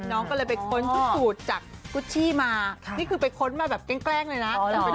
น้องก็เลยไปค้นชุดสูตรจากกุชชี่มานี่คือไปค้นมาแบบแกล้งเลยนะ